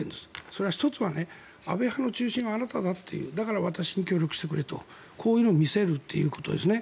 それは１つは安倍派の中心はあなただとだから、私に協力してくれとこういうのを見せるということですね。